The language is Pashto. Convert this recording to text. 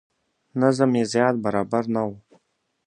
نظم یې زیات برابر نه و.